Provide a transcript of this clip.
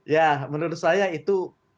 ya menurut saya itu